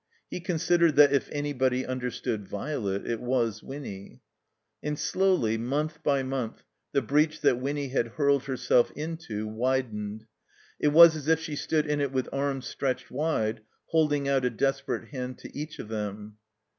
He considered that if anybody understood Violet it was Winny. And slowly, month by month, the breach that Winny had hurled herself into widened. It was as if she stood in it with arms stretched wide, holding out a desperate hand to each of them.